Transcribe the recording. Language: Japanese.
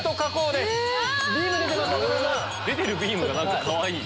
出てるビームがかわいい！